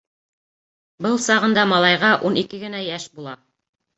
Был сағында малайға ун ике генә йәш була.